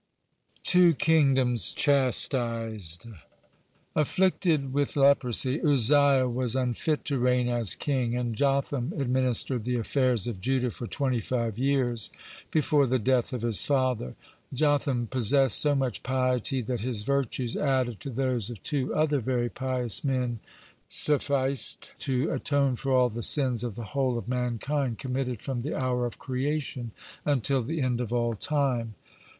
THE TWO KINGDOMS CHASTISED Afflicted with leprosy, Uzziah was unfit to reign as king, and Jotham administered the affairs of Judah for twenty five years before the death of his father. (37) Jotham possessed so much piety that his virtues added to those of two other very pious men suffice to atone for all the sins of the whole of mankind committed from the hour of creation until the end of all time.